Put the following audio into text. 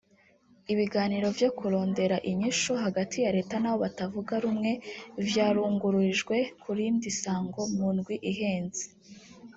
Ibiganiro vyo kurondera inyishu hagati ya reta n’abo batavuga rumwe vyarungururijwe ku rindi sango mu ndwi iheze